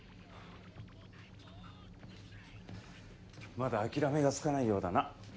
まだ諦めがつかないようだな。